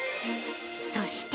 そして。